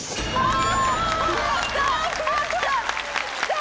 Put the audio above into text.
あ！